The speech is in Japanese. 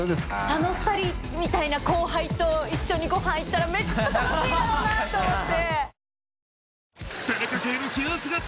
あの２人みたいな後輩と貊錣ごはん行ったらめっちゃ楽しいだろうなと思って！